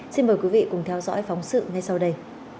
xin mời quý vị cùng theo dõi phóng sự ngay sau đây